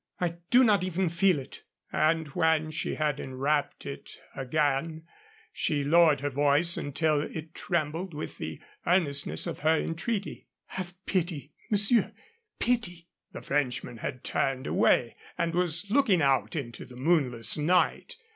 I do not even feel it." And when she had enwrapped it again she lowered her voice until it trembled with the earnestness of her entreaty. "Have pity, monsieur pity!" The Frenchman had turned away and was looking out into the moonless night.